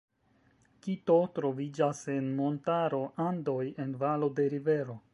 Kito troviĝas en montaro Andoj en valo de rivero.